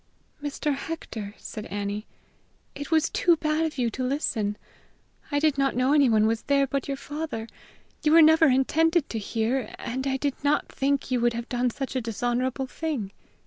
"Mr. Hector," said Annie, "it was too bad of you to listen. I did not know anyone was there but your father. You were never intended to hear; and I did not think you would have done such a dishonorable thing.